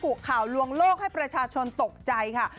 ข่าวลวงโลกให้ประชาชนตกใจค่ะ